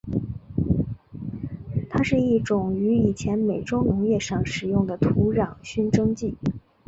它是一种于以前美洲农业上使用的土壤熏蒸剂。